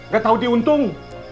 gak tau diuntung